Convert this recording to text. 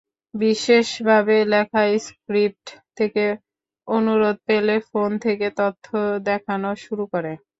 বিশেষভাবে লেখা স্ক্রিপ্ট থেকে অনুরোধ পেলে ফোন থেকে তথ্য দেখানো শুরু করে।